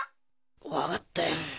わかったよ。